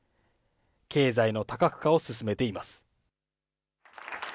経済の多角化を進めています。